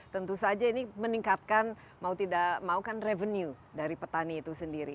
tentu saja ini meningkatkan mau tidak mau kan revenue dari petani itu sendiri